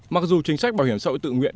mặc dù chính sách bảo hiểm xã hội tự nguyện